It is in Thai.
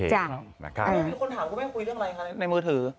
มีคนถามกับแม่คุยเรื่องอะไรคะในมือถือ